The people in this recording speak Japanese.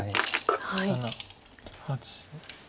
７８。